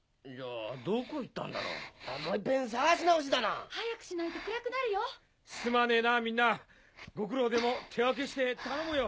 もういっぺん捜し直しだな・・早くしないと暗くなるよ・すまねえなみんなご苦労でも手分けして頼むよ。